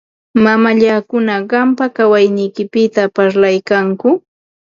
Mamallakuna qampa kawayniykipita parlaykanku.